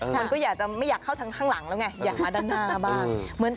มันก็อยากจะไม่อยากเข้าทางข้างหลังแล้วไงอยากมาด้านหน้าบ้าง